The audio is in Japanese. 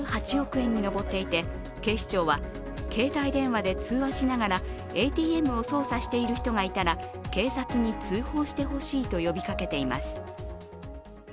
円に上っていて、警視庁は携帯電話で通話しながらＡＴＭを操作している人がいたら警察に通報してほしいと呼びかけています。